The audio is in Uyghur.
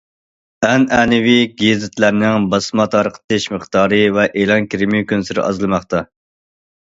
ئەنئەنىۋى گېزىتلەرنىڭ باسما تارقىتىش مىقدارى ۋە ئېلان كىرىمى كۈنسېرى ئازلىماقتا.